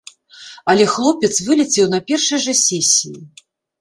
Але хлопец вылецеў на першай жа сесіі.